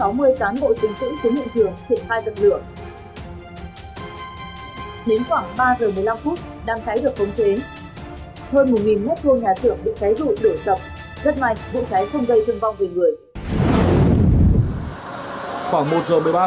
hơn một mất thô nhà xưởng bị cháy rụi đổ sập rất mạnh vụ cháy không gây thương vong về người